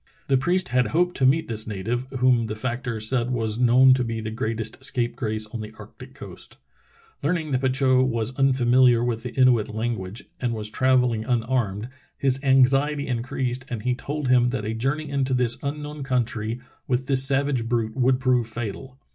The priest had hoped to meet this native, whom the factor said was known to be the greatest scapegrace on the arctic coast. Learning that Petitot was unfamiliar with the Inuit language, and was travel ling unarmed, his anxiety increased and he told him that a journey into this unknown country with this sav age brute would prove fatal.